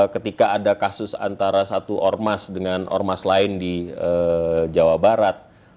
ketika ada kasus antara satu ormas dengan ormas lain di jawa barat